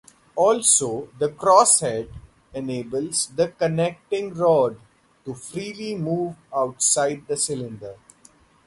Also, the crosshead enables the connecting rod to freely move outside the cylinder.